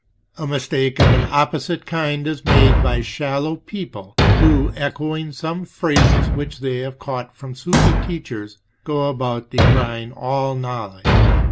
A mistake of an opposite kind is made by shallow people who, echoing some phrases which they have caught from Sufi teachers, go about decrying all knowledge.